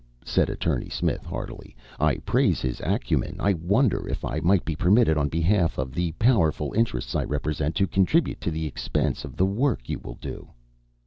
said Attorney Smith heartily. "I praise his acumen. I wonder if I might be permitted, on behalf of the powerful interests I represent, to contribute to the expense of the work you will do?"